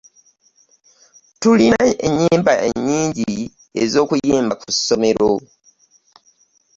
Tulina enyimba nnnnyingi ez'okuyimba ku somero.